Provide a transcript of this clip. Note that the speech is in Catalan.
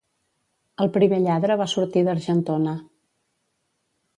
El primer lladre va sortir d'Argentona.